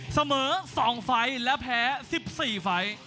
เสมอ๒ไฟล์และแพ้๑๔ไฟล์